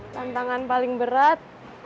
tantangan paling berat